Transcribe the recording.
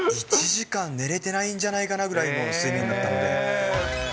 １時間寝れてないんじゃないかなぐらいの睡眠だったので。